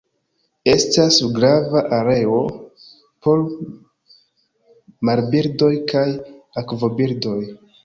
Estas grava areo por marbirdoj kaj akvobirdoj.